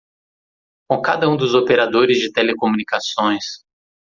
com cada um dos operadores de telecomunicações.